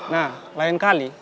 nah lain kali